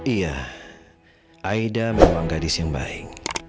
iya aida memang gadis yang baik